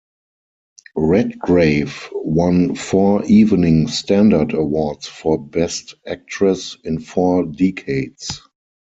Redgrave won four Evening Standard Awards for Best Actress in four decades.